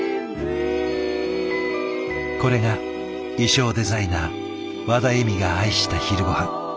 これが衣装デザイナーワダエミが愛した昼ごはん。